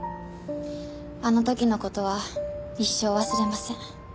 あの時の事は一生忘れません。